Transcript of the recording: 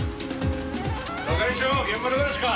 係長現場どこですか？